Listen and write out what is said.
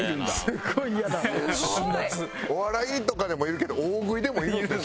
すごい！お笑いとかでもいるけど大食いでもいるんですね